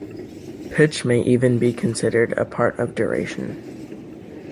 Pitch may even be considered a part of duration.